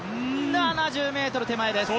７０ｍ手前です。